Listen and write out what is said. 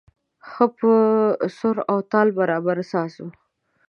ښه په سور او تال برابر ساز و.